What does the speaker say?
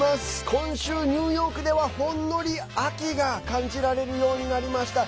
今週ニューヨークでは、ほんのり秋が感じられるようになりました。